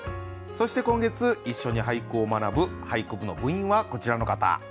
そして今月一緒に俳句を学ぶ「俳句部」の部員はこちらの方。